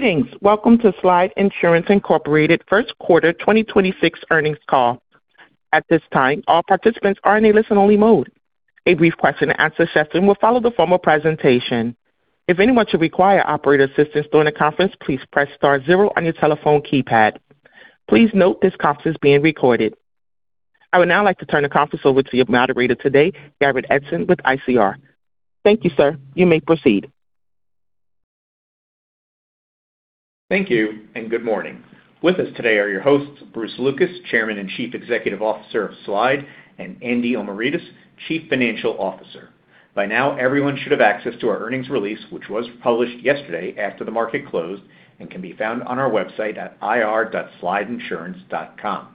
Greetings. Welcome to Slide Insurance Incorporated Q1 2026 Earnings Call. At this time, all participants are in a listen-only mode. A brief question-and-answer session will follow the formal presentation. If anyone should require operator assistance during the conference, please press star zero on your telephone keypad. Please note this conference is being recorded. I would now like to turn the conference over to your moderator today, Garrett Edson with ICR. Thank you, sir. You may proceed. Thank you, and good morning. With us today are your hosts, Bruce Lucas, Chairman and Chief Executive Officer of Slide, and Andy Omiridis, Chief Financial Officer. By now, everyone should have access to our earnings release, which was published yesterday after the market closed and can be found on our website at ir.slideinsurance.com.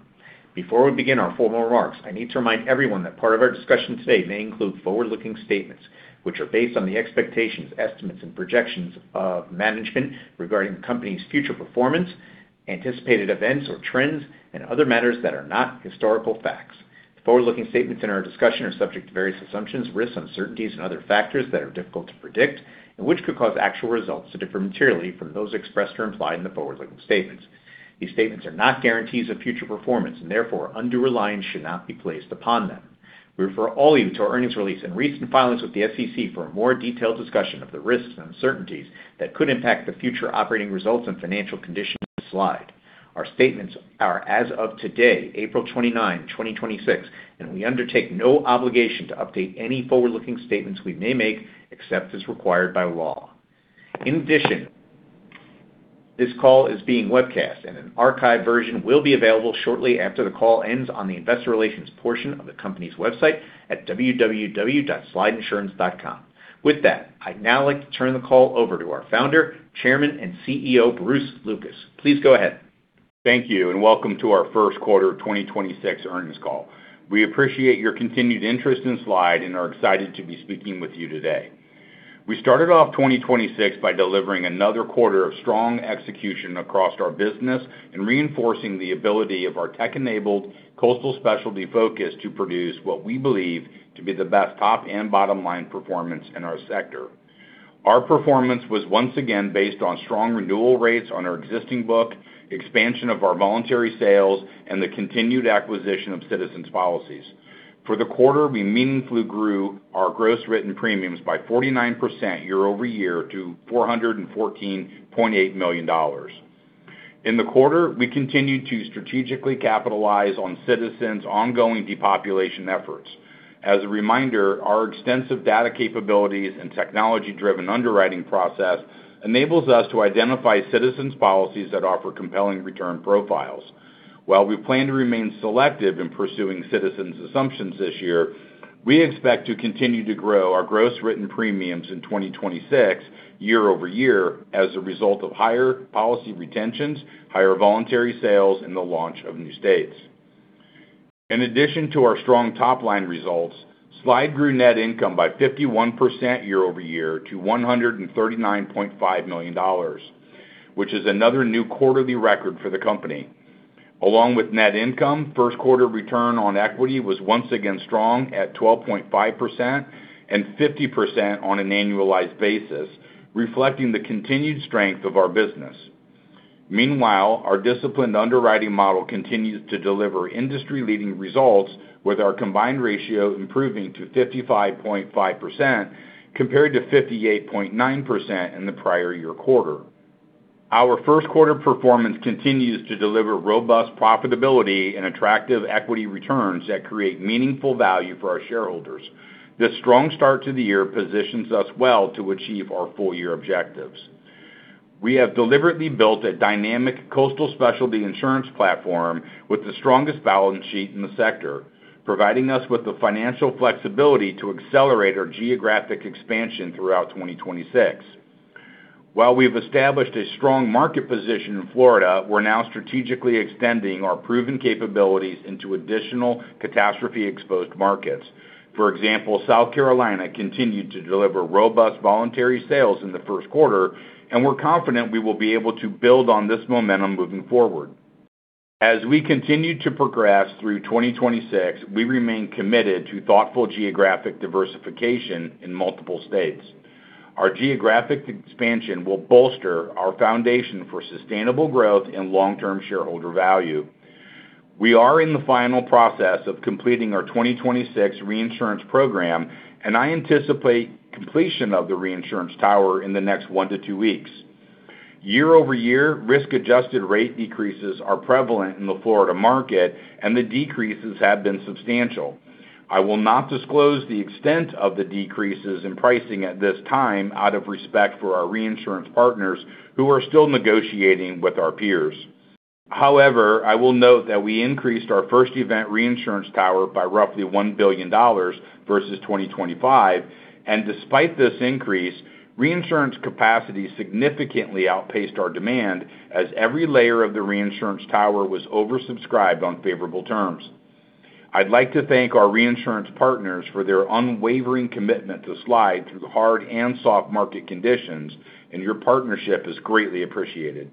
Before we begin our formal remarks, I need to remind everyone that part of our discussion today may include forward-looking statements, which are based on the expectations, estimates, and projections of management regarding the company's future performance, anticipated events or trends, and other matters that are not historical facts. The forward-looking statements in our discussion are subject to various assumptions, risks, uncertainties and other factors that are difficult to predict and which could cause actual results to differ materially from those expressed or implied in the forward-looking statements. These statements are not guarantees of future performance, and therefore, undue reliance should not be placed upon them. We refer all of you to our earnings release and recent filings with the SEC for a more detailed discussion of the risks and uncertainties that could impact the future operating results and financial condition of Slide. Our statements are as of today, April 29, 2026, and we undertake no obligation to update any forward-looking statements we may make except as required by law. In addition, this call is being webcast, and an archived version will be available shortly after the call ends on the investor relations portion of the company's website at www.slideinsurance.com. With that, I'd now like to turn the call over to our Founder, Chairman, and CEO, Bruce Lucas. Please go ahead. Thank you. Welcome to our Q1 of 2026 earnings call. We appreciate your continued interest in Slide and are excited to be speaking with you today. We started off 2026 by delivering another quarter of strong execution across our business and reinforcing the ability of our tech-enabled coastal specialty focus to produce what we believe to be the best top and bottom line performance in our sector. Our performance was once again based on strong renewal rates on our existing book, expansion of our voluntary sales, and the continued acquisition of Citizens policies. For the quarter, we meaningfully grew our gross written premiums by 49% year-over-year to $414.8 million. In the quarter, we continued to strategically capitalize on Citizens' ongoing depopulation efforts. As a reminder, our extensive data capabilities and technology-driven underwriting process enables us to identify Citizens policies that offer compelling return profiles. While we plan to remain selective in pursuing Citizens assumptions this year, we expect to continue to grow our gross written premiums in 2026 year-over-year as a result of higher policy retentions, higher voluntary sales, and the launch of new states. In addition to our strong top-line results, Slide grew net income by 51% year-over-year to $139.5 million, which is another new quarterly record for the company. Along with net income, Q1 Return on Equity was once again strong at 12.5% and 50% on an annualized basis, reflecting the continued strength of our business. Meanwhile, our disciplined underwriting model continues to deliver industry-leading results, with our combined ratio improving to 55.5% compared to 58.9% in the prior year quarter. Our Q1 performance continues to deliver robust profitability and attractive equity returns that create meaningful value for our shareholders. This strong start to the year positions us well to achieve our full-year objectives. We have deliberately built a dynamic coastal specialty insurance platform with the strongest balance sheet in the sector, providing us with the financial flexibility to accelerate our geographic expansion throughout 2026. While we've established a strong market position in Florida, we're now strategically extending our proven capabilities into additional catastrophe-exposed markets. For example, South Carolina continued to deliver robust voluntary sales in the Q1, and we're confident we will be able to build on this momentum moving forward. As we continue to progress through 2026, we remain committed to thoughtful geographic diversification in multiple states. Our geographic expansion will bolster our foundation for sustainable growth and long-term shareholder value. We are in the final process of completing our 2026 reinsurance program, and I anticipate completion of the reinsurance tower in the next one to two weeks. Year-over-year, risk-adjusted rate decreases are prevalent in the Florida market, and the decreases have been substantial. I will not disclose the extent of the decreases in pricing at this time out of respect for our reinsurance partners who are still negotiating with our peers. However, I will note that we increased our first event reinsurance tower by roughly $1 billion versus 2025. Despite this increase, reinsurance capacity significantly outpaced our demand as every layer of the reinsurance tower was oversubscribed on favorable terms. I'd like to thank our reinsurance partners for their unwavering commitment to Slide through hard and soft market conditions, and your partnership is greatly appreciated.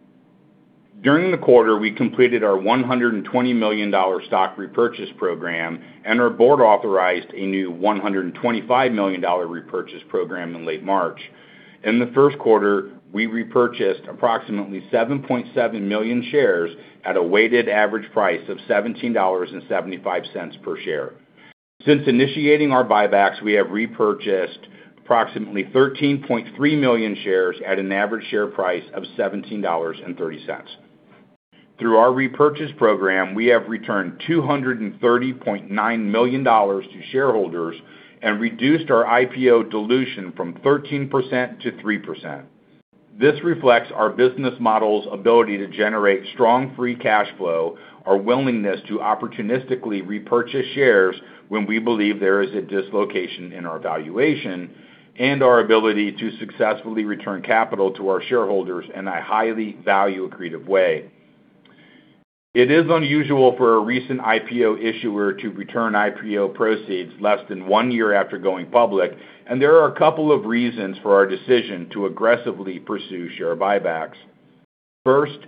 During the quarter, we completed our $120 million stock repurchase program, and our board authorized a new $125 million repurchase program in late March. In the Q1, we repurchased approximately 7.7 million shares at a weighted average price of $17.75 per share. Since initiating our buybacks, we have repurchased approximately 13.3 million shares at an average share price of $17.30. Through our repurchase program, we have returned $239 million to shareholders and reduced our IPO dilution from 13% to 3%. This reflects our business model's ability to generate strong free cash flow, our willingness to opportunistically repurchase shares when we believe there is a dislocation in our valuation, and our ability to successfully return capital to our shareholders in a highly value-accretive way. It is unusual for a recent IPO issuer to return IPO proceeds less than one year after going public, and there are a couple of reasons for our decision to aggressively pursue share buybacks. First,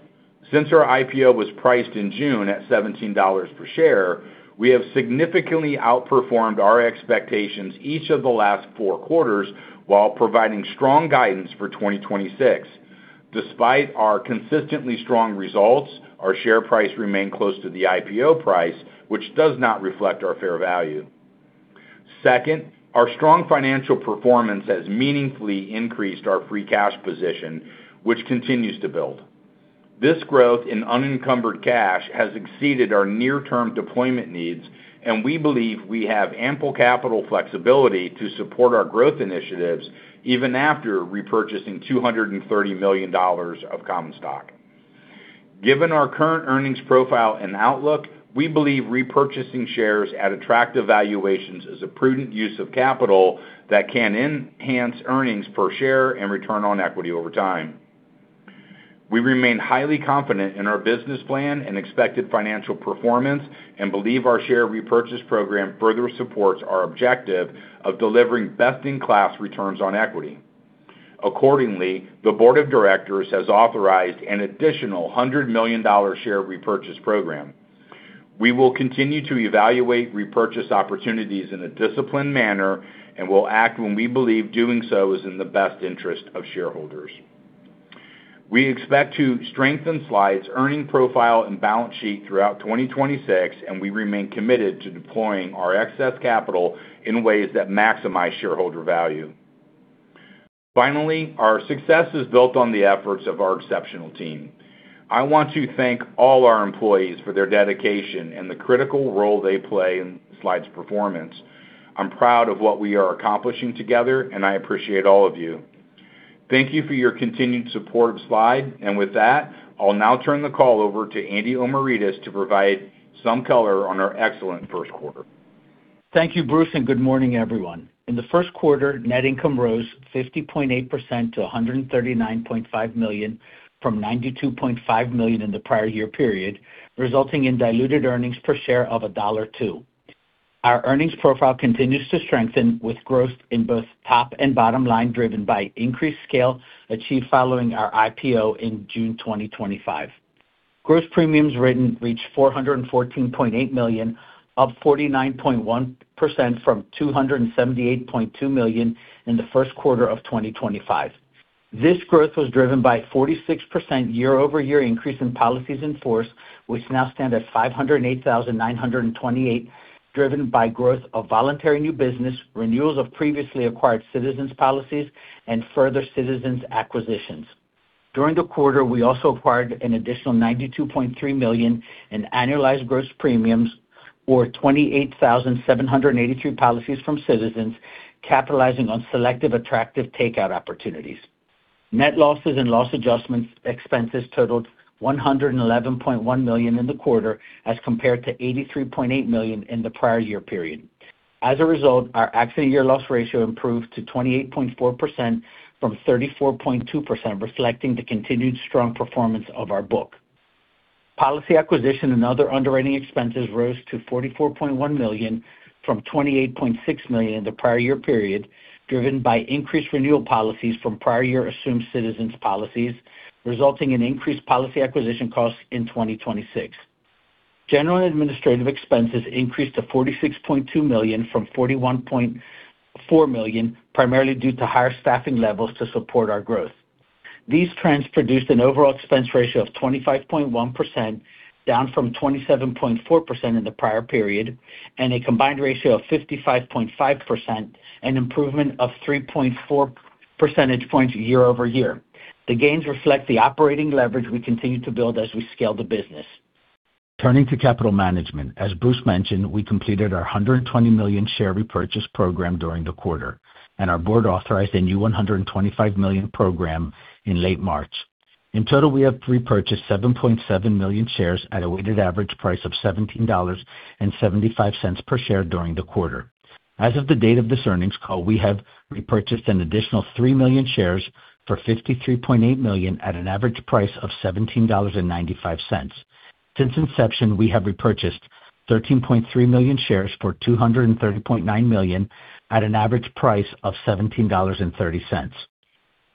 since our IPO was priced in June at $17 per share, we have significantly outperformed our expectations each of the last four quarters while providing strong guidance for 2026. Despite our consistently strong results, our share price remained close to the IPO price, which does not reflect our fair value. Second, our strong financial performance has meaningfully increased our free cash position, which continues to build. This growth in unencumbered cash has exceeded our near-term deployment needs. We believe we have ample capital flexibility to support our growth initiatives even after repurchasing $230 million of common stock. Given our current earnings profile and outlook, we believe repurchasing shares at attractive valuations is a prudent use of capital that can enhance earnings per share and Return on Equity over time. We remain highly confident in our business plan and expected financial performance and believe our share repurchase program further supports our objective of delivering best-in-class returns on Equity. Accordingly, the board of directors has authorized an additional $100 million share repurchase program. We will continue to evaluate repurchase opportunities in a disciplined manner and will act when we believe doing so is in the best interest of shareholders. We expect to strengthen Slide's earning profile and balance sheet throughout 2026, and we remain committed to deploying our excess capital in ways that maximize shareholder value. Finally, our success is built on the efforts of our exceptional team. I want to thank all our employees for their dedication and the critical role they play in Slide's performance. I'm proud of what we are accomplishing together, and I appreciate all of you. Thank you for your continued support of Slide. With that, I'll now turn the call over to Andy Omiridis to provide some color on our excellent Q1. Thank you, Bruce, and good morning, everyone. In the Q1, net income rose 50.8% to $139.5 million from $92.5 million in the prior year period, resulting in Diluted Earnings Per Share of $1.02. Our earnings profile continues to strengthen with growth in both top and bottom line driven by increased scale achieved following our IPO in June 2025. Gross Written Premiums reached $414.8 million, up 49.1% from $278.2 million in the Q1 of 2025. This growth was driven by a 46% year-over-year increase in policies in force, which now stand at 508,928, driven by growth of voluntary new business, renewals of previously acquired Citizens policies, and further Citizens acquisitions. During the quarter, we also acquired an additional $92.3 million in annualized gross premiums or 28,783 policies from Citizens, capitalizing on selective attractive takeout opportunities. Net losses and loss adjustments expenses totaled $111.1 million in the quarter as compared to $83.8 million in the prior year period. As a result, our accident year loss ratio improved to 28.4% from 34.2%, reflecting the continued strong performance of our book. Policy acquisition and other underwriting expenses rose to $44.1 million from $28.6 million in the prior year period, driven by increased renewal policies from prior year assumed Citizens policies, resulting in increased policy acquisition costs in 2026. General and administrative expenses increased to $46.2 million from $41.4 million, primarily due to higher staffing levels to support our growth. These trends produced an overall expense ratio of 25.1%, down from 27.4% in the prior period, and a combined ratio of 55.5%, an improvement of 3.4 percentage points year-over-year. The gains reflect the operating leverage we continue to build as we scale the business. Turning to capital management. As Bruce mentioned, we completed our $120 million share repurchase program during the quarter. Our board authorized a new $125 million program in late March. In total, we have repurchased 7.7 million shares at a weighted average price of $17.75 per share during the quarter. As of the date of this earnings call, we have repurchased an additional 3 million shares for $53.8 million at an average price of $17.95. Since inception, we have repurchased 13.3 million shares for $230.9 million at an average price of $17.30.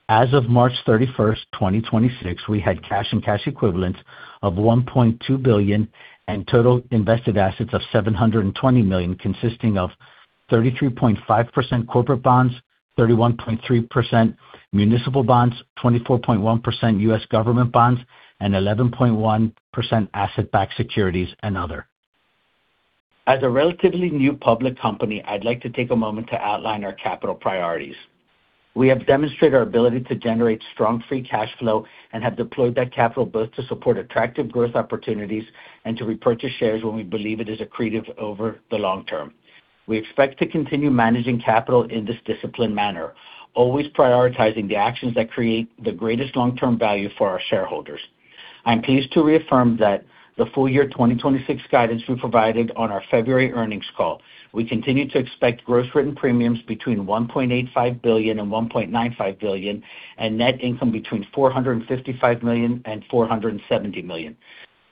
As of March 31, 2026, we had cash and cash equivalents of $1.2 billion and total invested assets of $720 million, consisting of 33.5% corporate bonds, 31.3% municipal bonds, 24.1% U.S. government bonds, and 11.1% asset-backed securities and other. As a relatively new public company, I'd like to take a moment to outline our capital priorities. We have demonstrated our ability to generate strong free cash flow and have deployed that capital both to support attractive growth opportunities and to repurchase shares when we believe it is accretive over the long term. We expect to continue managing capital in this disciplined manner, always prioritizing the actions that create the greatest long-term value for our shareholders. I'm pleased to reaffirm that the full year 2026 guidance we provided on our February earnings call. We continue to expect gross written premiums between $1.85 billion and $1.95 billion, and net income between $455 million and $470 million.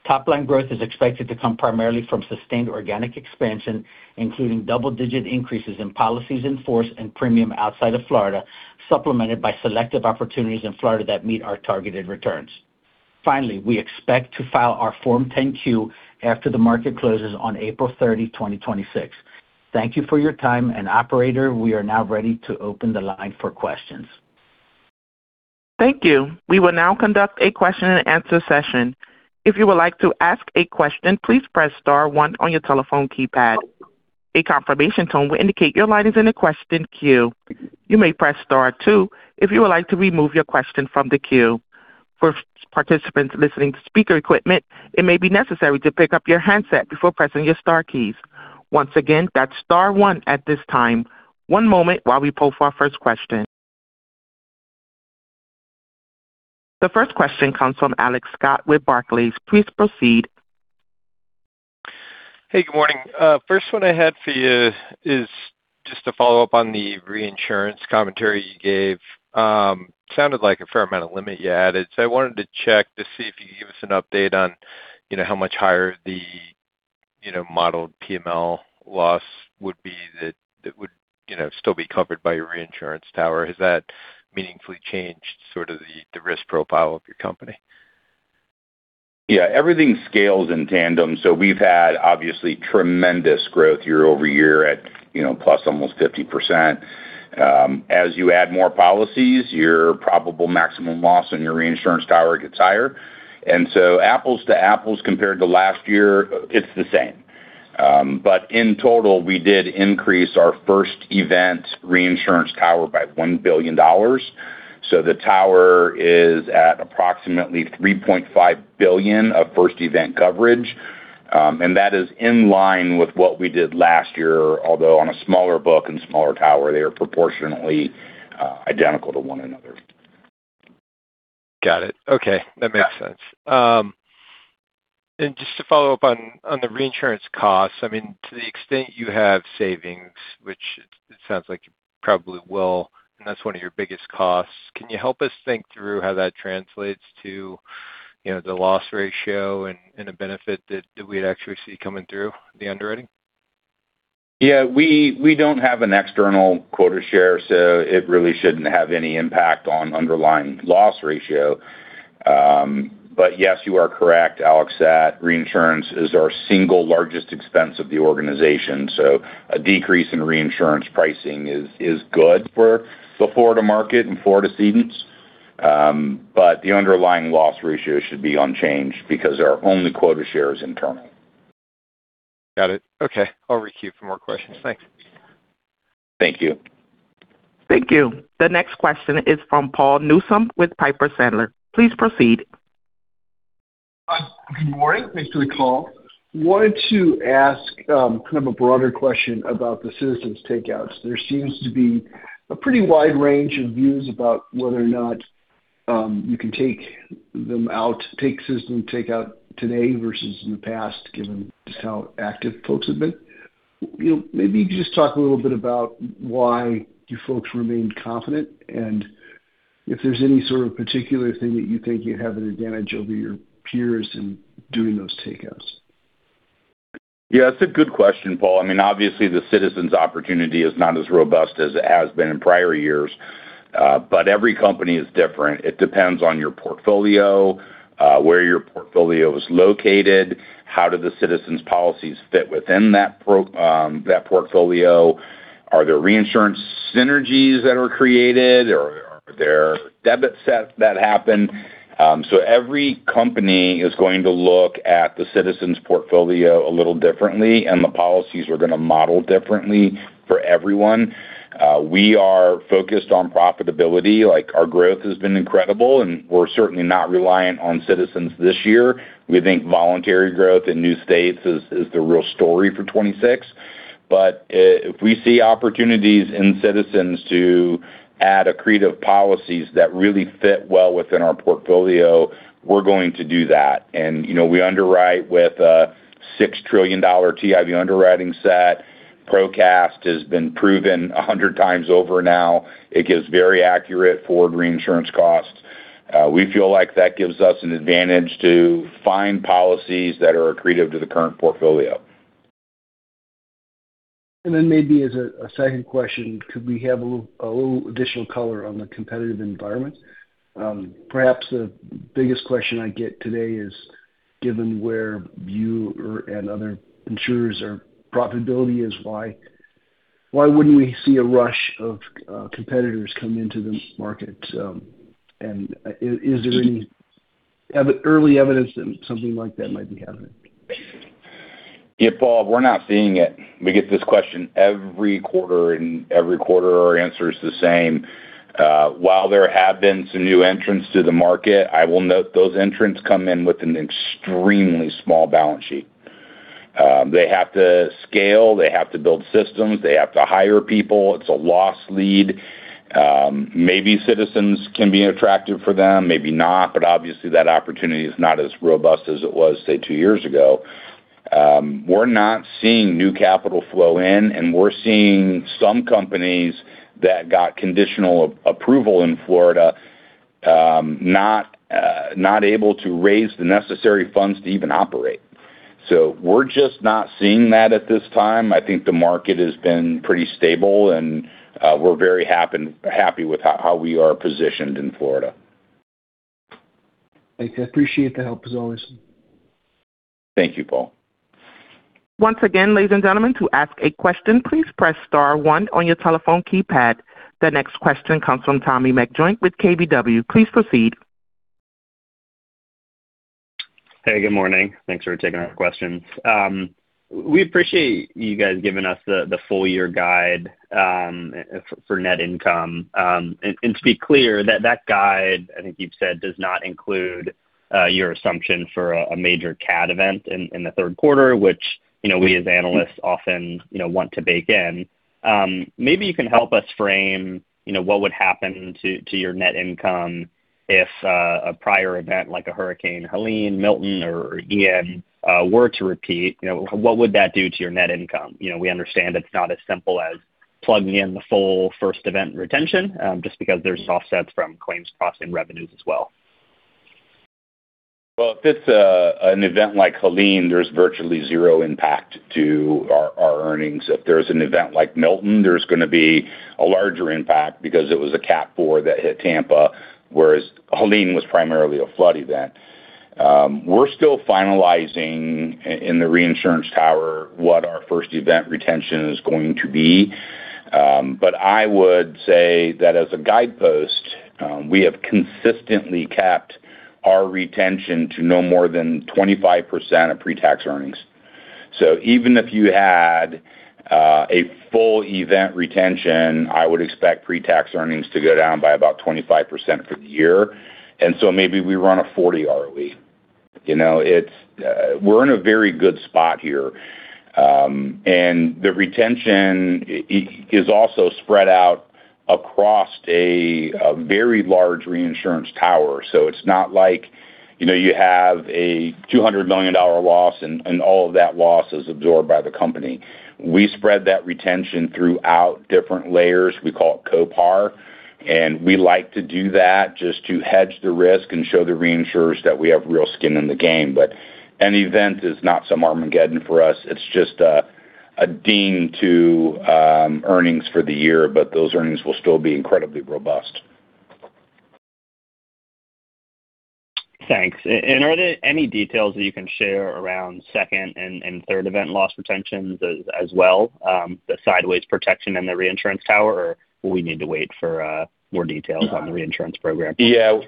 Topline growth is expected to come primarily from sustained organic expansion, including double-digit increases in policies in force and premium outside of Florida, supplemented by selective opportunities in Florida that meet our targeted returns. Finally, we expect to file our Form 10-Q after the market closes on April 30, 2026. Thank you for your time. Operator, we are now ready to open the line for questions. The first question comes from Alex Scott with Barclays. Please proceed. Hey, good morning. First one I had for you is just to follow up on the reinsurance commentary you gave. Sounded like a fair amount of limit you added. I wanted to check to see if you could give us an update on, you know, how much higher the, you know, modeled PML loss would be that would, you know, still be covered by your reinsurance tower. Has that meaningfully changed sort of the risk profile of your company? Yeah, everything scales in tandem. We've had obviously tremendous growth year-over-year at, you know, plus almost 50%. As you add more policies, your probable maximum loss on your reinsurance tower gets higher. Apples to apples compared to last year, it's the same. In total, we did increase our first event reinsurance tower by $1 billion. The tower is at approximately $3.5 billion of first event coverage. That is in line with what we did last year, although on a smaller book and smaller tower, they are proportionately identical to one another. Got it. Okay. Yeah. That makes sense. Just to follow up on the reinsurance costs, I mean, to the extent you have savings, which it sounds like you probably will, and that's one of your biggest costs. Can you help us think through how that translates to, you know, the loss ratio and a benefit that we'd actually see coming through the underwriting? Yeah. We don't have an external quota share, so it really shouldn't have any impact on underlying loss ratio. Yes, you are correct, Alex, that reinsurance is our single largest expense of the organization. A decrease in reinsurance pricing is good for the Florida market and Florida cedents. The underlying loss ratio should be unchanged because our only quota share is internal. Got it. Okay. I'll re-queue for more questions. Thanks. Thank you. Thank you. The next question is from Paul Newsome with Piper Sandler. Please proceed. Hi, good morning. Thanks for the call. Wanted to ask, kind of a broader question about the Citizens takeout. There seems to be a pretty wide range of views about whether or not you can take them out, take Citizens takeout today versus in the past, given just how active folks have been. You know, maybe just talk a little bit about why you folks remained confident and if there's any sort of particular thing that you think you have an advantage over your peers in doing those takeout. Yeah, it's a good question, Paul. I mean, obviously the Citizens opportunity is not as robust as it has been in prior years, but every company is different. It depends on your portfolio, where your portfolio is located, how do the Citizens policies fit within that portfolio? Are there reinsurance synergies that are created, or are there debit sets that happen? Every company is going to look at the Citizens portfolio a little differently, and the policies are going to model differently for everyone. We are focused on profitability. Like, our growth has been incredible, and we're certainly not reliant on Citizens this year. We think voluntary growth in new states is the real story for 2026. If we see opportunities in Citizens to add accretive policies that really fit well within our portfolio, we're going to do that. You know, we underwrite with $6 trillion TIV underwriting set. ProCat has been proven 100 times over now. It gives very accurate forward reinsurance costs. We feel like that gives us an advantage to find policies that are accretive to the current portfolio. Maybe as a second question, could we have a little additional color on the competitive environment? Perhaps the biggest question I get today is, given where you or and other insurers or profitability is, why wouldn't we see a rush of competitors come into this market? Is there any early evidence that something like that might be happening? Yeah, Paul, we're not seeing it. We get this question every quarter, and every quarter our answer is the same. While there have been some new entrants to the market, I will note those entrants come in with an extremely small balance sheet. They have to scale, they have to build systems, they have to hire people. It's a loss lead. Maybe Citizens can be attractive for them, maybe not, but obviously that opportunity is not as robust as it was, say, two years ago. We're not seeing new capital flow in, and we're seeing some companies that got conditional approval in Florida, not able to raise the necessary funds to even operate. We're just not seeing that at this time. I think the market has been pretty stable, and we're very happy with how we are positioned in Florida. Thank you. I appreciate the help as always. Thank you, Paul. Once again, ladies and gentlemen, to ask a question, please press star one on your telephone keypad. The next question comes from Tommy McJoynt-Griffith with KBW. Please proceed. Hey, good morning. Thanks for taking our questions. We appreciate you guys giving us the full year guide for net income. To be clear, that guide, I think you've said, does not include your assumption for a major cat event in the Q3, which, you know, we as analysts often, you know, want to bake in. Maybe you can help us frame, you know, what would happen to your net income if a prior event like a Hurricane Heemine, Hurricane Milton or Hurricane Ian were to repeat, you know, what would that do to your net income? You know, we understand it's not as simple as plugging in the full first event retention, just because there's offsets from claims costs and revenues as well. If it's an event like Hurricane Hermine, there's virtually zero impact to our earnings. If there's an event like Hurricane Milton, there's gonna be a larger impact because it was a Category 4 that hit Tampa, whereas Hurricane Hermine was primarily a flood event. We're still finalizing in the reinsurance tower what our first event retention is going to be. I would say that as a guidepost, we have consistently capped our retention to no more than 25% of pre-tax earnings. Even if you had a full event retention, I would expect pre-tax earnings to go down by about 25% for the year. Maybe we run a 40 ROE. You know, it's, we're in a very good spot here. The retention is also spread out across a very large reinsurance tower. It's not like, you know, you have a $200 million loss and all of that loss is absorbed by the company. We spread that retention throughout different layers. We call it co-par, and we like to do that just to hedge the risk and show the reinsurers that we have real skin in the game. Any event is not some Armageddon for us. It's just a ding to earnings for the year, but those earnings will still be incredibly robust. Thanks. Are there any details that you can share around second and third event loss retentions as well, the sideways protection in the reinsurance tower, or we need to wait for more details on the reinsurance program? Yeah.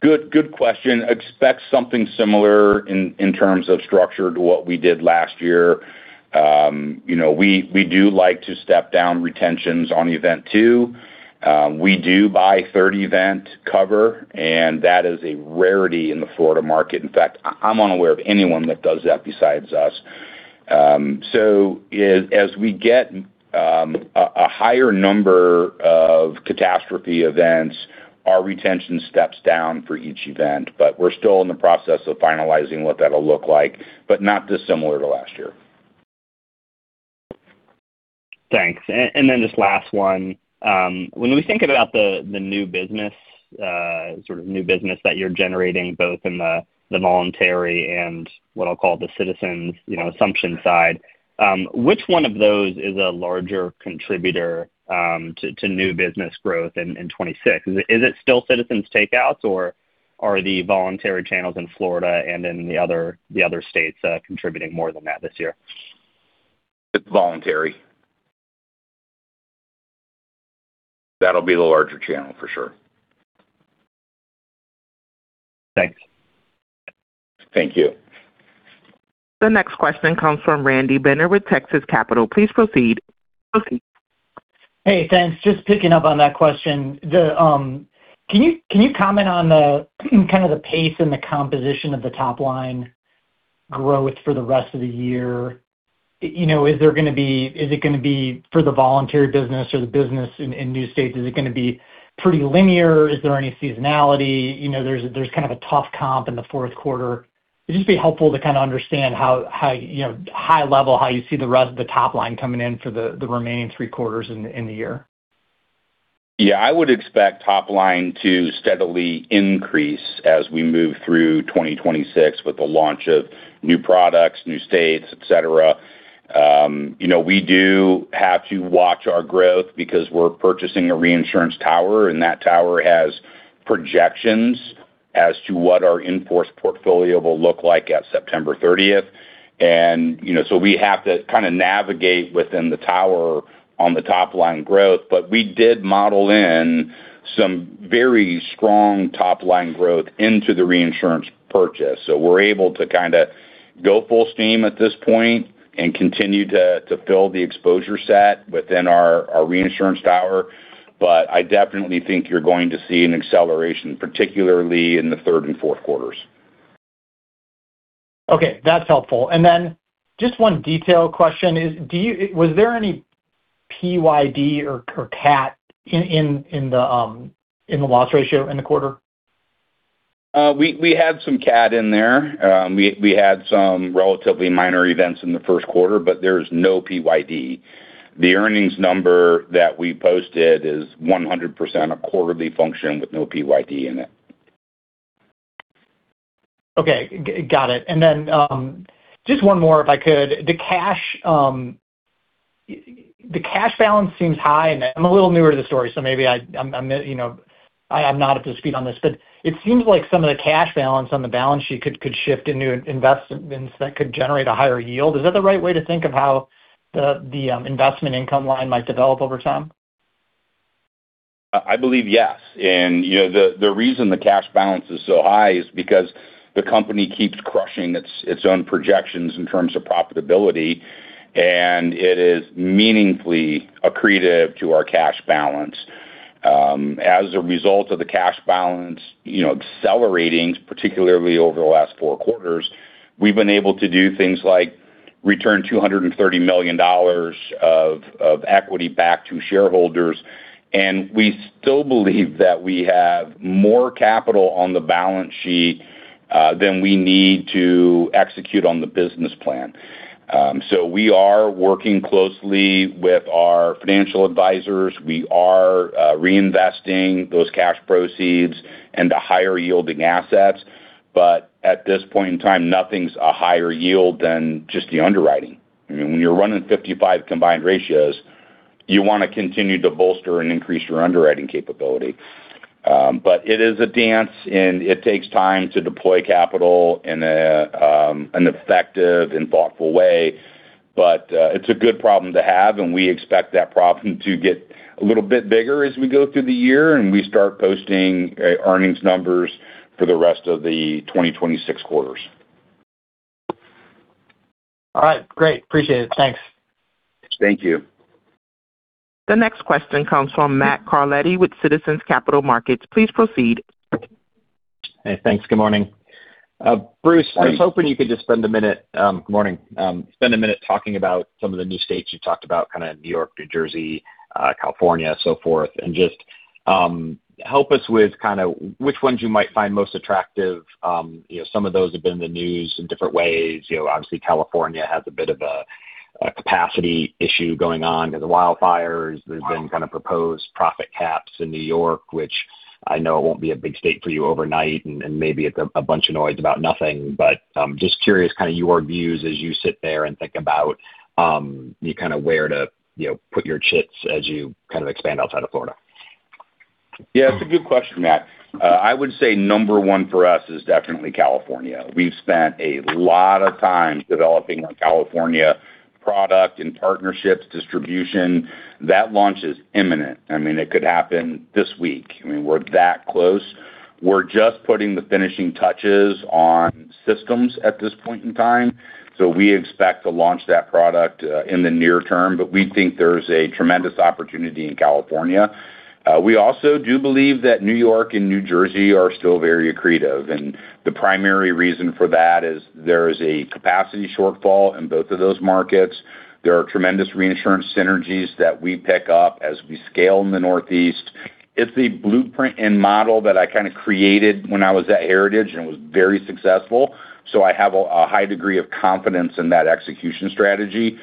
Good, good question. Expect something similar in terms of structure to what we did last year. You know, we do like to step down retentions on event two. We do buy third event cover. That is a rarity in the Florida market. In fact, I'm unaware of anyone that does that besides us. As we get a higher number of catastrophe events, our retention steps down for each event. We're still in the process of finalizing what that'll look like, not dissimilar to last year. Thanks. Just last one. When we think about the new business, sort of new business that you're generating both in the voluntary and what I'll call the Citizens, you know, assumption side, which one of those is a larger contributor to new business growth in 2026? Is it still Citizens takeouts or are the voluntary channels in Florida and in the other states contributing more than that this year? It's voluntary. That'll be the larger channel for sure. Thanks. Thank you. The next question comes from Randy Binner with Texas Capital. Please proceed. Hey, thanks. Just picking up on that question. The, can you comment on the kind of the pace and the composition of the top line growth for the rest of the year? You know, is it gonna be for the voluntary business or the business in new states? Is it gonna be pretty linear? Is there any seasonality? You know, there's kind of a tough comp in the Q4. It'd just be helpful to kinda understand how, you know, high level, how you see the rest of the top line coming in for the remaining three quarters in the year. I would expect top line to steadily increase as we move through 2026 with the launch of new products, new states, et cetera. You know, we do have to watch our growth because we're purchasing a reinsurance tower, and that tower has projections as to what our in-force portfolio will look like at September 30th. You know, we have to kinda navigate within the tower on the top line growth. We did model in some very strong top line growth into the reinsurance purchase. We're able to kinda go full steam at this point and continue to fill the exposure set within our reinsurance tower. I definitely think you're going to see an acceleration, particularly in the Q3 and Q4. Okay, that's helpful. Then just one detail question. Was there any PYD or cat in the loss ratio in the quarter? We had some cat in there. We had some relatively minor events in the first quarter, but there's no PYD. The earnings number that we posted is 100% a quarterly function with no PYD in it. Okay. Got it. Just one more, if I could. The cash balance seems high, and I'm a little newer to the story, so maybe I'm, you know, I am not up to speed on this. It seems like some of the cash balance on the balance sheet could shift into investments that could generate a higher yield. Is that the right way to think of how the investment income line might develop over time? I believe yes. You know, the reason the cash balance is so high is because the company keeps crushing its own projections in terms of profitability, and it is meaningfully accretive to our cash balance. As a result of the cash balance, you know, accelerating, particularly over the last 4 quarters, we've been able to do things like return $230 million of equity back to shareholders. We still believe that we have more capital on the balance sheet than we need to execute on the business plan. We are working closely with our financial advisors. We are reinvesting those cash proceeds into higher yielding assets. At this point in time, nothing's a higher yield than just the underwriting. I mean, when you're running 55 Combined Ratios, you wanna continue to bolster and increase your underwriting capability. It is a dance, and it takes time to deploy capital in an effective and thoughtful way. It's a good problem to have, and we expect that problem to get a little bit bigger as we go through the year and we start posting earnings numbers for the rest of the 2026 quarters. All right, great. Appreciate it. Thanks. Thank you. The next question comes from Matthew Carletti with Citizens JMP Securities. Please proceed. Hey, thanks. Good morning. Bruce. Hi I was hoping you could just spend a minute. Good morning. Spend a minute talking about some of the new states you talked about, kind of New York, New Jersey, California, so forth. Just help us with kind of which ones you might find most attractive. You know, some of those have been in the news in different ways. You know, obviously, California has a bit of a capacity issue going on with the wildfires. There's been kind of proposed profit caps in New York, which I know it won't be a big state for you overnight and maybe a bunch of noise about nothing. Just curious kind of your views as you sit there and think about, you know, kind of where to, you know, put your chips as you kind of expand outside of Florida. It's a good question, Matthew. I would say number one for us is definitely California. We've spent a lot of time developing our California product and partnerships, distribution. That launch is imminent. I mean, it could happen this week. I mean, we're that close. We're just putting the finishing touches on systems at this point in time, we expect to launch that product in the near term. We think there's a tremendous opportunity in California. We also do believe that New York and New Jersey are still very accretive, the primary reason for that is there is a capacity shortfall in both of those markets. There are tremendous reinsurance synergies that we pick up as we scale in the Northeast. It's the blueprint and model that I kinda created when I was at Heritage and was very successful, I have a high degree of confidence in that execution strategy.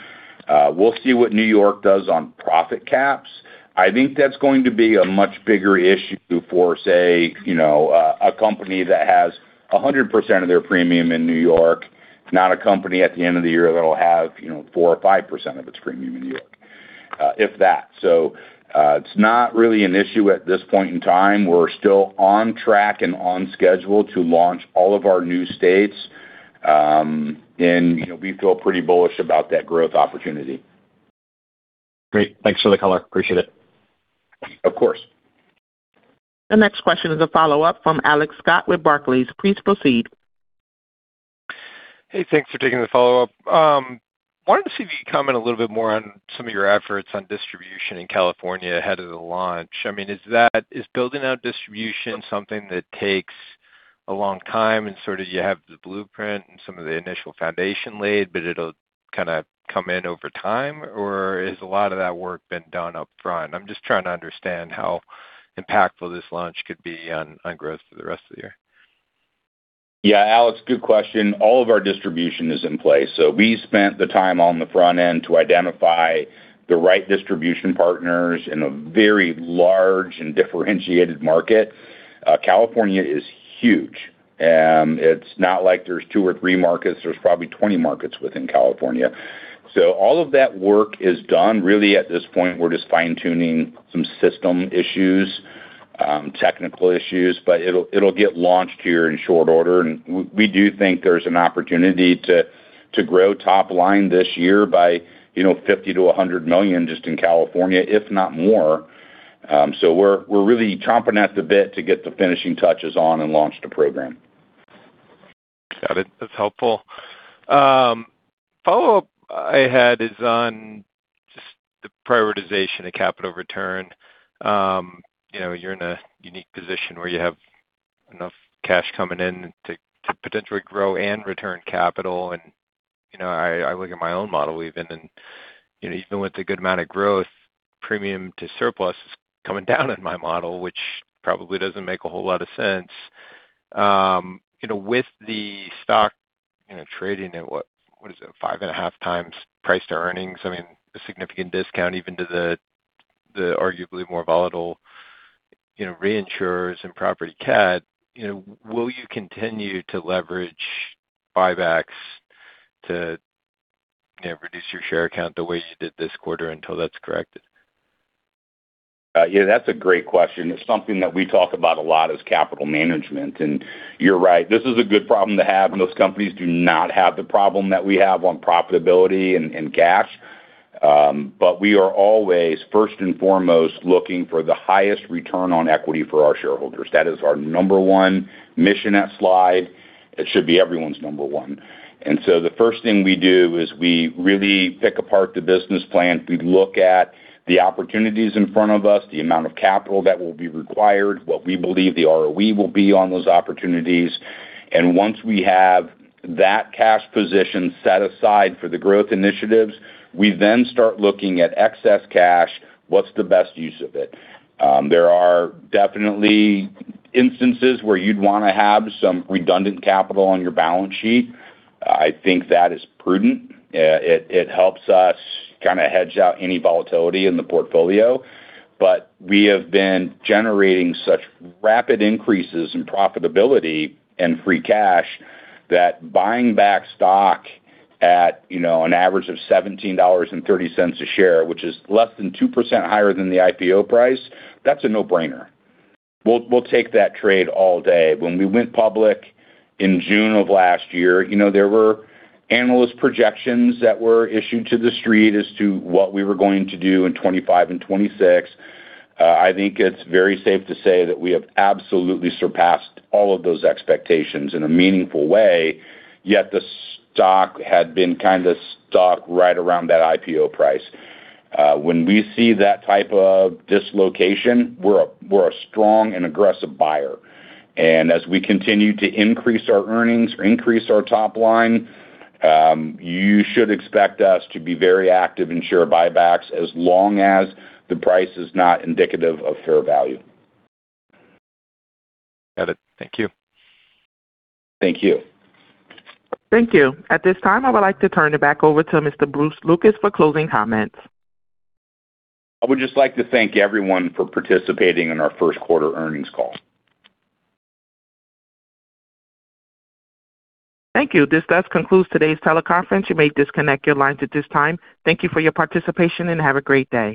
We'll see what New York does on profit caps. I think that's going to be a much bigger issue for, say, you know, a company that has 100% of their premium in New York, not a company at the end of the year that'll have, you know, 4% or 5% of its premium in New York, if that. It's not really an issue at this point in time. We're still on track and on schedule to launch all of our new states. You know, we feel pretty bullish about that growth opportunity. Great. Thanks for the color. Appreciate it. Of course. The next question is a follow-up from Alex Scott with Barclays. Please proceed. Hey, thanks for taking the follow-up. I wanted to see if you could comment a little bit more on some of your efforts on distribution in California ahead of the launch. I mean, is building out distribution something that takes a long time, and sort of you have the blueprint and some of the initial foundation laid, but it'll kinda come in over time, or is a lot of that work been done upfront? I'm just trying to understand how impactful this launch could be on growth for the rest of the year. Alex, good question. All of our distribution is in place. We spent the time on the front end to identify the right distribution partners in a very large and differentiated market. California is huge. It's not like there's 2 or 3 markets, there's probably 20 markets within California. All of that work is done. Really at this point, we're just fine-tuning some system issues, technical issues. It'll get launched here in short order. We do think there's an opportunity to grow top line this year by, you know, $50 million-$100 million just in California, if not more. We're really chomping at the bit to get the finishing touches on and launch the program. Got it. That's helpful. follow-up I had is on just the prioritization of capital return. you know, you're in a unique position where you have enough cash coming in to potentially grow and return capital. I look at my own model even, and, you know, even with a good amount of growth, premium to surplus is coming down in my model, which probably doesn't make a whole lot of sense. you know, with the stock, you know, trading at, what is it? 5.5 times price to earnings, I mean, a significant discount even to the arguably more volatile, you know, reinsurers and property cat. You know, will you continue to leverage buybacks to, you know, reduce your share count the way you did this quarter until that's corrected? Yeah, that's a great question. It's something that we talk about a lot, is capital management. You're right, this is a good problem to have, and most companies do not have the problem that we have on profitability and cash. We are always first and foremost looking for the highest Return on Equity for our shareholders. That is our number 1 mission at Slide. It should be everyone's number 1. The first thing we do is we really pick apart the business plan. We look at the opportunities in front of us, the amount of capital that will be required, what we believe the ROE will be on those opportunities. Once we have that cash position set aside for the growth initiatives, we then start looking at excess cash, what's the best use of it? There are definitely instances where you'd wanna have some redundant capital on your balance sheet. I think that is prudent. It, it helps us kinda hedge out any volatility in the portfolio. We have been generating such rapid increases in profitability and free cash that buying back stock at, you know, an average of $17.30 a share, which is less than 2% higher than the IPO price, that's a no-brainer. We'll, we'll take that trade all day. When we went public in June of last year, you know, there were analyst projections that were issued to the street as to what we were going to do in 2025 and 2026. I think it's very safe to say that we have absolutely surpassed all of those expectations in a meaningful way, yet the stock had been kind of stuck right around that IPO price. When we see that type of dislocation, we're a strong and aggressive buyer. As we continue to increase our earnings or increase our top line, you should expect us to be very active in share buybacks as long as the price is not indicative of fair value. Got it. Thank you. Thank you. Thank you. At this time, I would like to turn it back over to Mr. Bruce Lucas for closing comments. I would just like to thank everyone for participating in our Q1 earnings call. Thank you. This does conclude today's teleconference. You may disconnect your lines at this time. Thank you for your participation, and have a great day.